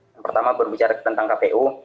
yang pertama berbicara tentang kpu